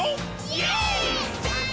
イエーイ！！